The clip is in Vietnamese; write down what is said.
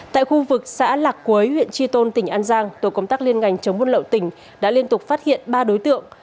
tại khu vực xã lạc quế huyện tri tôn tỉnh an giang tổ công tác liên ngành chống buôn lậu tỉnh đã liên tục phát hiện ba đối tượng